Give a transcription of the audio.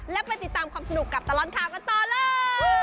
และไปติดตามความสนุกกับตลอดข่าวกันต่อเลย